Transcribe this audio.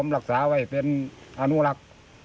ลักษาไว้เป็นอนุหลัก